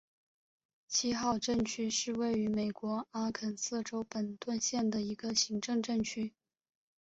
七号镇区是位于美国阿肯色州本顿县的一个行政镇区。